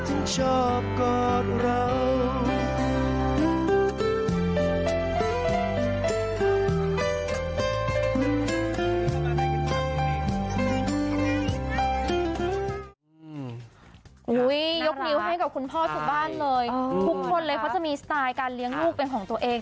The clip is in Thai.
โอ้โหยกนิ้วยกนิ้วให้กับคุณพ่อทุกบ้านเลยทุกคนเลยเขาจะมีสไตล์การเลี้ยงลูกเป็นของตัวเอง